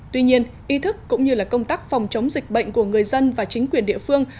tuy nhiên ý thức cũng như công tác phòng chống dịch bệnh của người dân và chính quyền địa phương